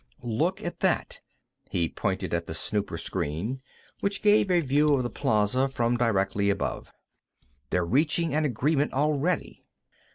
"Look at that." He pointed at the snooper screen, which gave a view of the plaza from directly above. "They're reaching an agreement already."